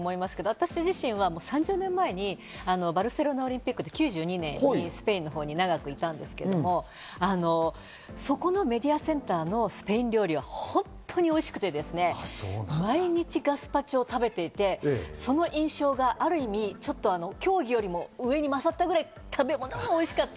私自身は３０年前にバルセロナオリンピック、９２年にスペインのほうに長くいたんですけど、そこのメディアセンターのスペイン料理は本当においしくて、毎日、ガスパチョを食べていて、その印象がある意味、競技よりも上に勝ったくらい、食べ物が美味しかった。